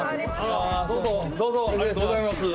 どうぞどうぞありがとうございます。